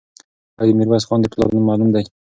آیا د میرویس خان د پلار نوم معلوم دی؟